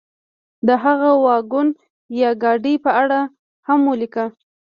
د هغه واګون یا ګاډۍ په اړه هم ولیکه.